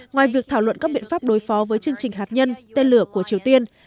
ngoài việc thảo luận các biện pháp đối phó với chương trình hạt nhân tên lửa của triều tiên